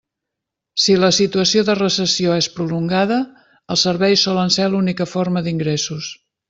Si la situació de recessió és prolongada, els serveis solen ser l'única forma d'ingressos.